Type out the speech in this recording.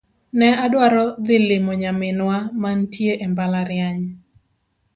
Ne adwaro dhi limo nyaminwa ma nitie e mabalariany